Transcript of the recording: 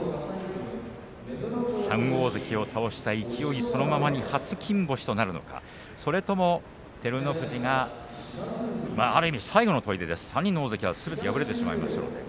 ３大関を倒した勢いそのままに初金星となるのか、それとも照ノ富士がある意味、最後のとりで３人の大関すべて敗れています。